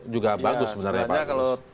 juga bagus sebenarnya pak